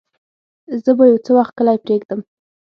زه به يو څه وخت کلی پرېږدم.